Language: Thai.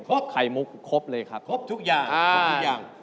เพราะไข่มุกครบเลยครับครบทุกอย่างครบทุกอย่าง